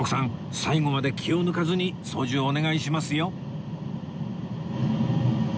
最後まで気を抜かずに操縦お願いしますよ